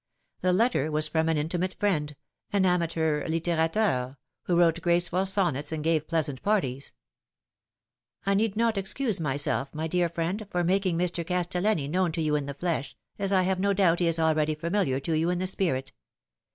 The letter was from an intimate friend, an amateur litterateur, who wrote graceful sonnets and gave pleasant parties: " I need not excuse myself, my dear friend, for making Mr. Castellani known to you in the flesh, as I have no doubt he is already familiar to you in the spirit.